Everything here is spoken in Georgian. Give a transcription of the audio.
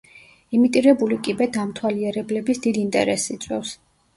იმიტირებული კიბე დამთვალიერებლების დიდ ინტერესს იწვევს.